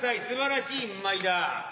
すばらしい舞だ。